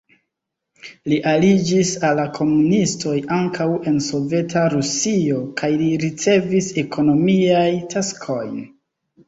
Li aliĝis al la komunistoj ankaŭ en Soveta Rusio kaj li ricevis ekonomiajn taskojn.